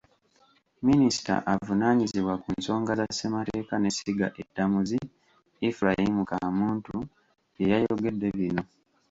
Minisita avunaanyizibwa ku nsonga za ssemateeka n'essiga eddamuzi, Ephraim Kamuntu yeyayogedde bino.